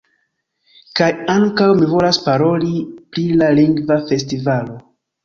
Kaj ankaŭ mi volas paroli pri la lingva festivalo.